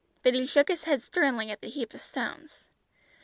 But he shook his head sternly at the heap of stones.